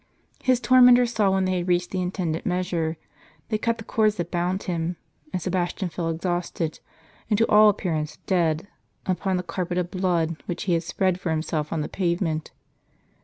His tormentors saw when they had reached their intended measure ; they cut the cords that bound him ; and Sebastian fell exhausted, and to all appearance dead, upon the carpet of blood which he had spread for himself on the pavement.